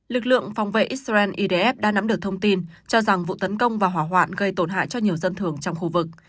lực lượng phòng vệ israel idf đã nắm được thông tin cho rằng vụ tấn công và hỏa hoạn gây tổn hại cho nhiều dân thường trong khu vực